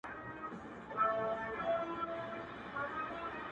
خدایه مېنه مو کړې خپله، خپل معمار خپل مو باغوان کې!